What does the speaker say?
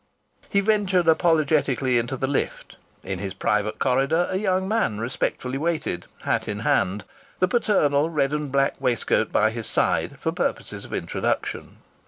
He ventured apologetically into the lift. In his private corridor a young man respectfully waited, hat in hand, the paternal red and black waistcoat by his side for purposes of introduction.